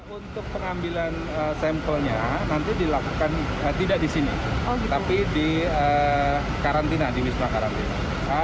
untuk pengambilan sampelnya nanti dilakukan tidak di sini tapi di karantina di wisma karantina